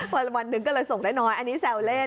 พอวันหนึ่งก็เลยส่งน้อยอันนี้แซวเล่น